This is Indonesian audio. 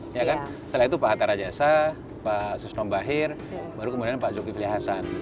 setelah itu pak hatta rajasa pak susno bahir baru kemudian pak jokowi filih hasan